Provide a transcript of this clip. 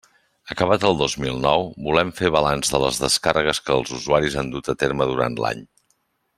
Acabat el dos mil nou, volem fer balanç de les descàrregues que els usuaris han dut a terme durant l'any.